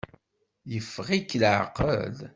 Yeffeɣ-ik leɛqel?